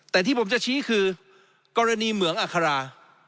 แต่ที่ผมจะชี้คือกรณีเหมืองอัครา